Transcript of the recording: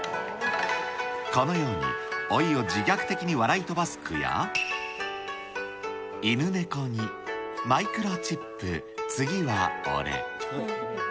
このように老いを自虐的に笑い飛ばす句や、犬猫にマイクロチップ次は俺。